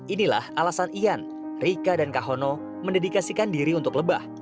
inilah alasan ian rika dan kahono mendedikasikan diri untuk lebah